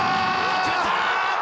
決まった！